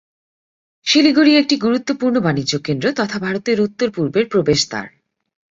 শিলিগুড়ি একটি গুরুত্বপূর্ণ বাণিজ্য কেন্দ্র তথা ভারতের উত্তর-পূর্বের প্রবেশদ্বার।